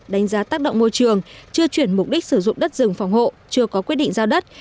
đánh giá tác động môi trường chưa chuyển mục đích sử dụng đất rừng phòng hộ chưa có quyết định giao đất